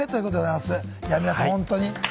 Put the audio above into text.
いや、皆さん、本当に。